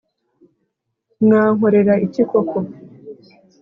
mwankorera iki koko???”